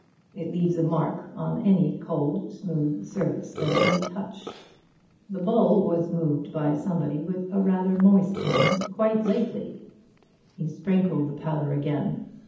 It leaves a mark on any cold smooth surface it may touch. That bowl was moved by somebody with a rather moist hand quite lately." He sprinkled the powder again.